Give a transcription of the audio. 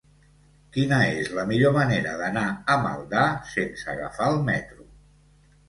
Quina és la millor manera d'anar a Maldà sense agafar el metro?